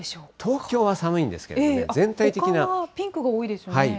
東京は寒いんですけどね、全ほかはピンクが多いですよね。